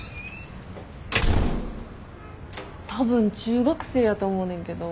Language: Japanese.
多分中学生やと思うねんけど。